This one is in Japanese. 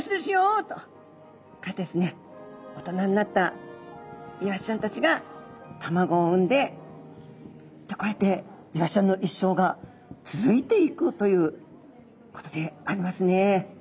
こうやってですね大人になったイワシちゃんたちが卵を産んでこうやってイワシちゃんの一生が続いていくということでありますね。